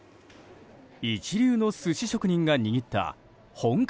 一流の寿司職人が握った本格